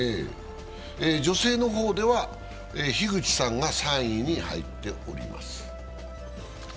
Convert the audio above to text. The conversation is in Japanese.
女性の方では樋口さんが３位に入っております。